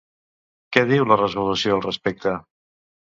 Què diu la resolució al respecte?